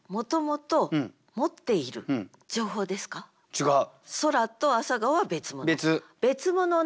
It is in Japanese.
違う。